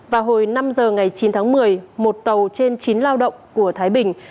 vào hồi năm giờ ngày chín tháng một mươi một tàu trên chín lao động của thái bình